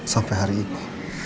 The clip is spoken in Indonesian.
sampai hari ini